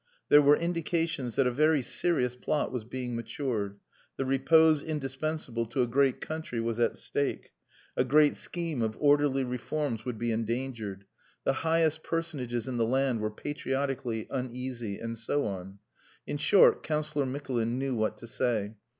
There were indications that a very serious plot was being matured.... The repose indispensable to a great country was at stake.... A great scheme of orderly reforms would be endangered.... The highest personages in the land were patriotically uneasy, and so on. In short, Councillor Mikulin knew what to say.